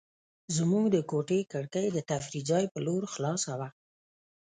زموږ د کوټې کړکۍ د تفریح ځای په لور خلاصه وه.